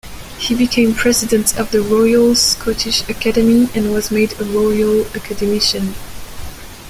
He became president of the Royal Scottish Academy and was made a Royal Academician.